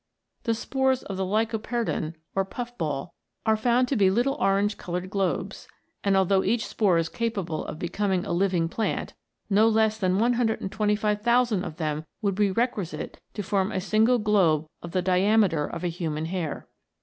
The spores of the lycoperdon or puff ball are found to be little orange coloured globes, and although each spore is capable of becoming a living plant, no less than 125,000 of them would be re quisite to form a single globe of the diameter of a human hair.